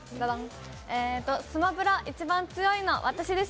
「スマブラ」一番強いの私で賞。